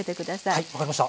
はい分かりました。